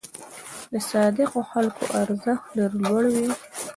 د صادقو خلکو ارزښت ډېر لوړ وي.